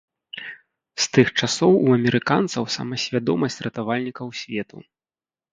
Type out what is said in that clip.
З тых часоў у амерыканцаў самасвядомасць ратавальнікаў свету.